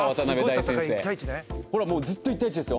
ほらもうずっと１対１ですよ。